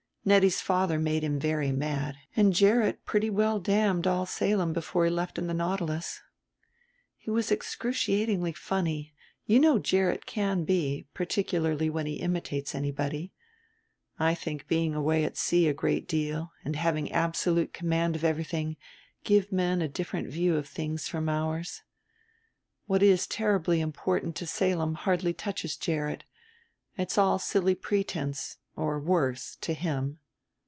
Nettie's father made him very mad, and Gerrit pretty well damned all Salem before he left in the Nautilus. He was excruciatingly funny: you know Gerrit can be, particularly when he imitates anybody. I think being away at sea a great deal, and having absolute command of everything, give men a different view of things from ours. What is terribly important to Salem hardly touches Gerrit; it's all silly pretense, or worse, to him.